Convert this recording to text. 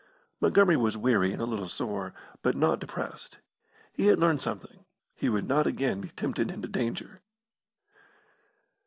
Montgomery was weary and a little sore, but not depressed. He had learned something. He would not again be tempted into danger.